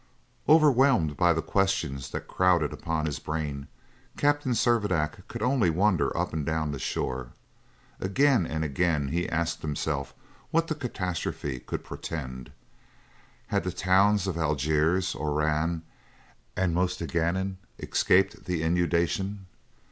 Overwhelmed by the questions that crowded upon his brain, Captain Servadac could only wander up and down the shore. Again and again he asked himself what the catastrophe could portend. Had the towns of Algiers, Oran, and Mostaganem escaped the inundation?